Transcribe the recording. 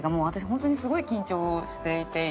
本当にすごい緊張していて今。